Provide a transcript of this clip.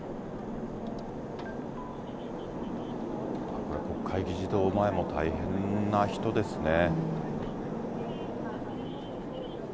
これ、国会議事堂前も大変な人ですね。